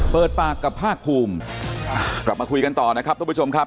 เปิดปากกับภาคภูมิกลับมาคุยกันต่อนะครับทุกผู้ชมครับ